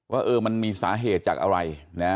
ว่าเออมันมีสาเหตุจากอะไร